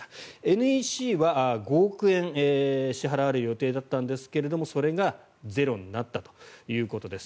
ＮＥＣは５億円支払われる予定だったんですがそれがゼロになったということです。